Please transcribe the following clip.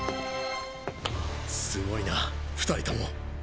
凄いな２人とも。